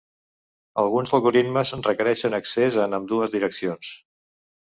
Alguns algoritmes requereixen accés en ambdues direccions.